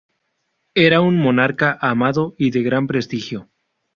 Era un monarca amado y de gran prestigio.